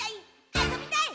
あそびたい！」